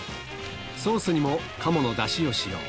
ソースにも鴨のだしを使用。